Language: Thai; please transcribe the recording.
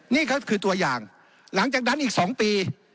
นี่ก็คือตัวอย่างหลังจากนั้นอีก๒ปี